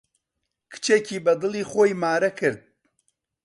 کچێکی بە دڵی خۆی مارە کرد.